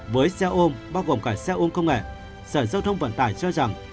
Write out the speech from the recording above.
với xe ôm bao gồm cả xe ôm công nghệ sở giao thông vận tải cho rằng